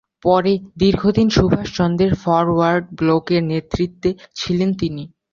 পরে দীর্ঘদিন সুভাষচন্দ্রের ফরওয়ার্ড ব্লকের নেতৃত্বে ছিলেন তিনি।